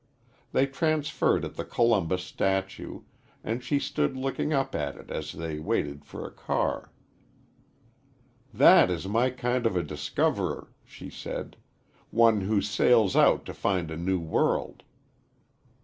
They transferred at the Columbus statue, and she stood looking up at it as they waited for a car. "That is my kind of a discoverer," she said; "one who sails out to find a new world."